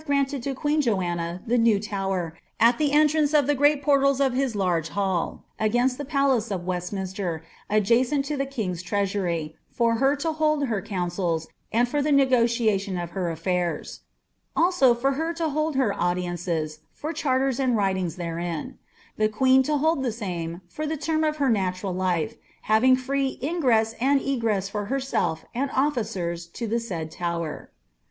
granted to queen Joanna tlie new tower, M the riitr&nce of the great portals of his large hall, against the palsca of Westminster, adjacent to tlie king's treasury, for her to hold her councils, and for the negotiation of her a&irs; also, for her to hold her ■ndi»nce>s for charters and writings theiein; the queen to hold the Mme, for the term of her natural life, having free ingress and egress for bcnelf and officers to the said tower.'